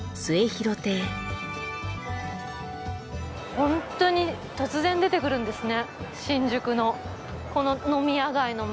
ホントに突然出てくるんですね。